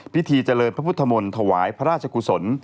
พิธีเจริญพระพุทธมนตร์ถวายพระราชกุศล